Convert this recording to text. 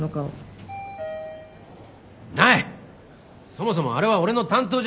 そもそもあれは俺の担当じゃない！